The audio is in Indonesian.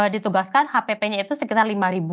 ditugaskan hpp nya itu sekitar lima